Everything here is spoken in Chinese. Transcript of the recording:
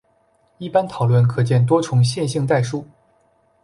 一般讨论可见多重线性代数。